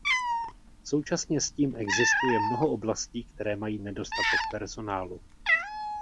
Současně s tím existuje mnoho oblastí, které mají nedostatek personálu.